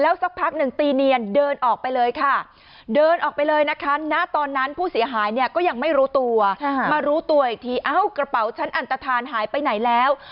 สักพักหนึ่งตีเนียนเดินออกไปเลยค่ะเดินออกไปเลยนะคะณตอนนั้นผู้เสียหายเนี่ยก็ยังไม่รู้ตัวมารู้ตัวอีกทีเอ้ากระเป๋าชั้นอันตฐานหายไปไหนแล้ว